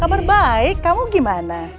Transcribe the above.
kabar baik kamu gimana